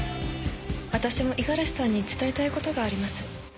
私も五十嵐さんに伝えたいことがあります